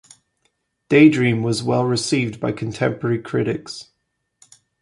"Daydream" was well received by contemporary critics.